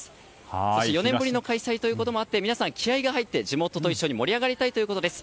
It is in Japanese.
そして、４年ぶりの開催とあって皆さん気合が入っていて地元と一緒に盛り上がりたいということです。